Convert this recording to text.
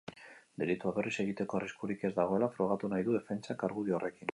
Delitua berriz egiteko arriskurik ez dagoela frogatu nahi du defentsak argudio horrekin.